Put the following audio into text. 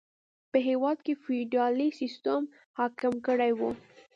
په هېواد کې فیوډالي سیستم حاکم کړی و.